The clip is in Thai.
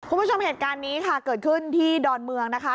คุณผู้ชมเหตุการณ์นี้ค่ะเกิดขึ้นที่ดอนเมืองนะคะ